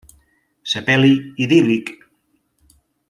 Sepeli idíl·lic